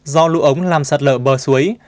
do lũ ống làm sạt lở bờ suối